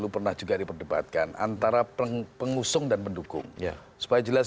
bagaimana pertanyaannya tadi emang pas menselin